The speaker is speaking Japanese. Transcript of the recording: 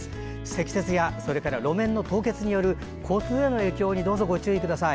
積雪や路面の凍結による交通への影響にどうぞご注意ください。